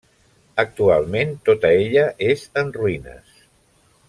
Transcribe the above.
Actualment tota ella és en ruïnes.